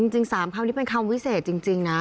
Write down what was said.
จริง๓คำนี้เป็นคำวิเศษจริงนะ